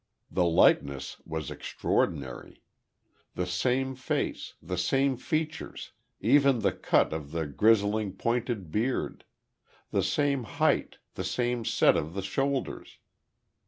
The likeness was extraordinary. The same face, the same features, even the cut of the grizzling, pointed beard; the same height, the same set of the shoulders.